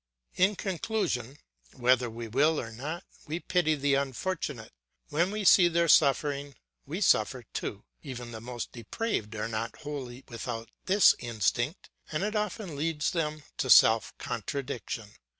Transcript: In conclusion, whether we will or not, we pity the unfortunate; when we see their suffering we suffer too. Even the most depraved are not wholly without this instinct, and it often leads them to self contradiction.